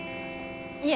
いえ